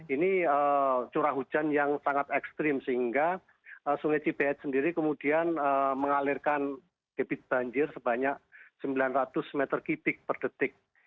ini curah hujan yang sangat ekstrim sehingga sungai cibet sendiri kemudian mengalirkan debit banjir sebanyak sembilan ratus m tiga per detik